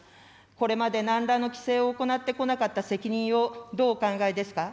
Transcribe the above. これまでなんらの規制を行ってこなかった責任をどうお考えですか。